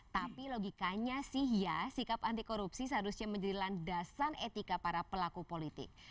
tapi logikanya sih ya sikap anti korupsi seharusnya menjadi landasan etika para pelaku politik